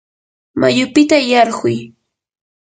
mayupita yarquy.